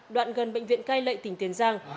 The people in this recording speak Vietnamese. đoạn gần bệnh viện cai lệ tỉnh tiền giang